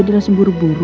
dia langsung buru buru